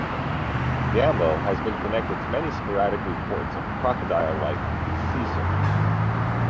"Gambo" has been connected to many sporadic reports of crocodile-like sea serpents.